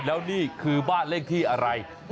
แล้วนี่คือบ้านเลขที่อะไร